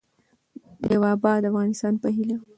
د یوه اباد افغانستان په هیله.